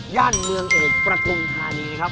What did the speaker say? ย่านเมืองเอกประทุมธานีครับ